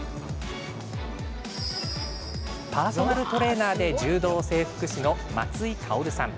パーソナルトレーナーで柔道整復師の松井薫さん。